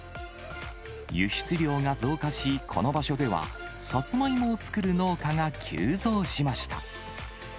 輸出量が増加し、この場所では、サツマイモを作る農家が急増しました。